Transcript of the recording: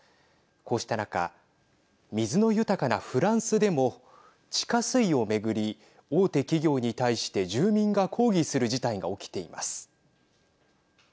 こうした中水の豊かなフランスでも地下水を巡り、大手企業に対して住民が抗議する事態が起きています。